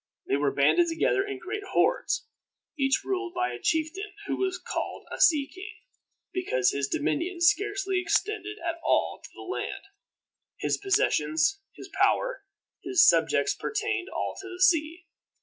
They were banded together in great hordes, each ruled by a chieftain, who was called a sea king, because his dominions scarcely extended at all to the land. His possessions, his power, his subjects pertained all to the sea.